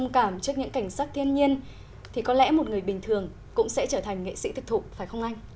cảnh sắc thiên nhiên thì có lẽ một người bình thường cũng sẽ trở thành nghệ sĩ thực thụ phải không anh